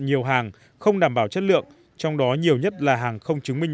nhiều hàng không đảm bảo chất lượng trong đó nhiều nhất là hàng không chứng minh